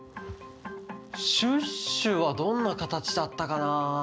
シュッシュはどんなかたちだったかな？